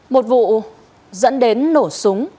một vụ dẫn đến nổ súng